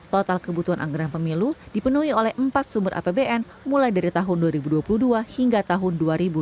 total kebutuhan anggaran pemilu dipenuhi oleh empat sumber apbn mulai dari tahun dua ribu dua puluh dua hingga tahun dua ribu dua puluh